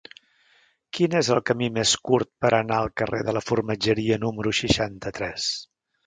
Quin és el camí més curt per anar al carrer de la Formatgeria número seixanta-tres?